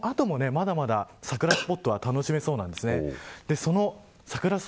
なので、その後もまだまだ桜スポットは楽しめそうなんです。